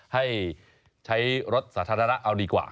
ให้ใช้รถสาธารณะเอาดีกว่า